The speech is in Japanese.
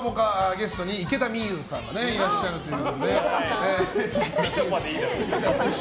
ゲストに池田美優さんがいらっしゃるということで。